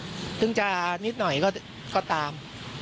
ตัวตอบสนองได้แล้วนิดหน่อยก็ตาม